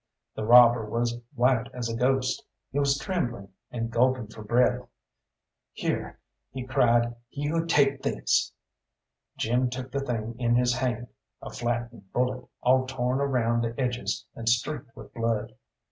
The robber was white as a ghost; he was trembling and gulping for breath. "Here," he cried, "you take this." Jim took the thing in his hand a flattened bullet, all torn around the edges and streaked with blood.